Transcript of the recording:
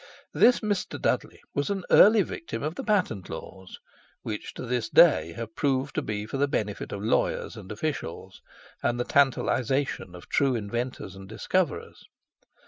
This Mr. Dudley was an early victim of the patent laws, which, to this day, have proved to be for the benefit of lawyers and officials, and the tantalization of true inventors and discoverers.